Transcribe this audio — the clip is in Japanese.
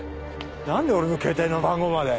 なんで俺のケータイの番号まで？